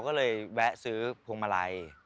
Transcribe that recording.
ก็เลยแวะซื้อพวงมาลัย